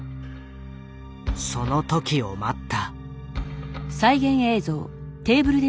その時を待った。